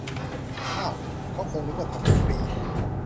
เอ้า เขาคงนึกว่าทำให้ฟรี